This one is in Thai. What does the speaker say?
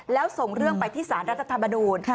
แล้วส่งเรื่องไปที่สารรัฐธรรมนูญ